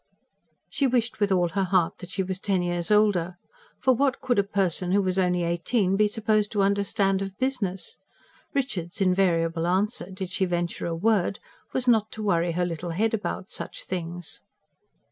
She wished with all her heart that she was ten years older. For what could a person who was only eighteen be supposed to understand of business? Richard's invariable answer, did she venture a word, was not to worry her little head about such things.